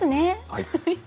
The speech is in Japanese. はい。